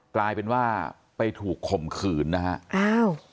กลายเป็นว่าไปถูกข่มขืนนะฮะอ้าว